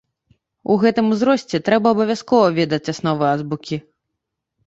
У гэтым узросце трэба абавязкова ведаць асновы азбукі.